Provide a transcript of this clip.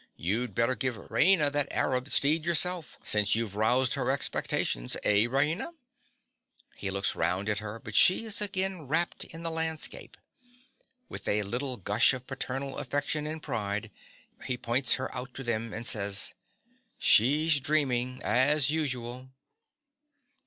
You'd better give Raina that Arab steed yourself, since you've roused her expectations. Eh, Raina? (_He looks round at her; but she is again rapt in the landscape. With a little gush of paternal affection and pride, he points her out to them and says_) She's dreaming, as usual.